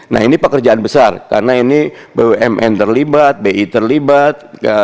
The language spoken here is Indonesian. nah ini pekerjaan besar karena ini bumn terlibat bi terlibat